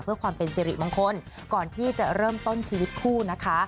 เพื่อความเป็นสิริมงคลก่อนที่จะเริ่มต้นชีวิตคู่นะคะ